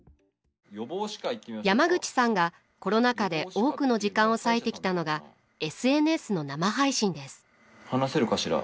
山口さんがコロナ禍で多くの時間を割いてきたのが話せるかしら？